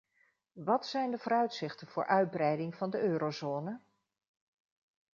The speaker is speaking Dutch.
Wat zijn de vooruitzichten voor uitbreiding van de eurozone?